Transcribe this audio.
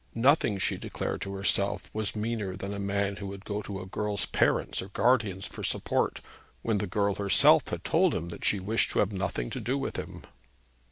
Nothing, she declared to herself, was meaner than a man who would go to a girl's parents or guardians for support, when the girl herself had told him that she wished to have nothing to do with him.